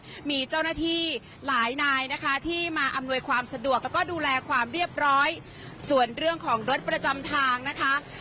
ก็มีเจ้าหน้าที่หลายนายนะคะที่มาอำนวยความสะดวกแล้วก็ดูแลความเรียบร้อยส่วนเรื่องของรถประจำทางนะคะ